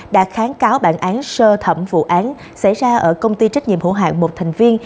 đã kháng cáo bản án sơ thẩm vụ án xảy ra ở công ty trách nhiệm hữu hạng một thành viên